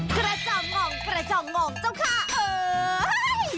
กระเจ้าหงอกเจ้าข้าเฮ้ย